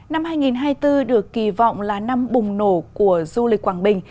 năm hai nghìn hai mươi bốn được kỳ vọng là năm bùng nổ của du lịch quảng bình